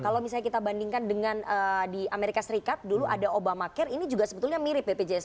kalau misalnya kita bandingkan dengan di amerika serikat dulu ada obama care ini juga sebetulnya mirip bpjs